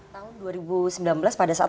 tahun dua ribu sembilan belas pada saat